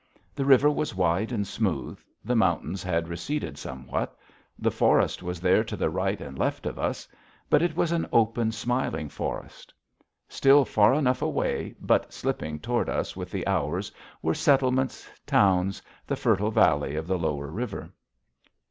The river was wide and smooth; the mountains had receded somewhat; the forest was there to the right and left of us. But it was an open, smiling forest. Still far enough away, but slipping toward us with the hours, were settlements, towns, the fertile valley of the lower river.